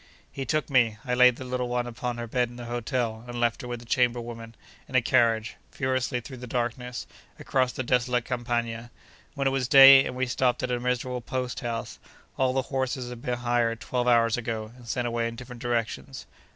He took me (I laid the little one upon her bed in the hotel, and left her with the chamber women), in a carriage, furiously through the darkness, across the desolate Campagna. When it was day, and we stopped at a miserable post house, all the horses had been hired twelve hours ago, and sent away in different directions.